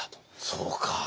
そうか。